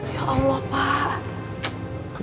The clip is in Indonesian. ya allah pak